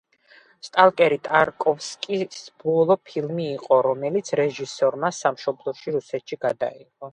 სტალკერი ტარკოვსკის ბოლო ფილმი იყო, რომელიც რეჟისორმა სამშობლოში, რუსეთში გადაიღო.